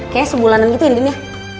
kayaknya sebulanan gitu andiennya